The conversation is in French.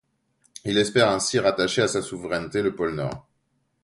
Il espère ainsi rattacher à sa souveraineté le Pôle Nord.